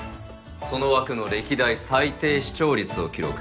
その枠の歴代最低視聴率を記録。